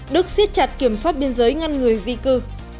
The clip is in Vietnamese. đức siết chặt kiểm soát biên giới ngăn người di cư